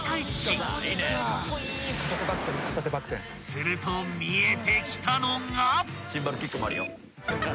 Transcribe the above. ［すると見えてきたのが］